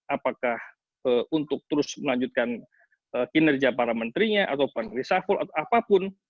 apakah untuk terus melanjutkan kinerja para menterinya ataupun reshuffle atau apapun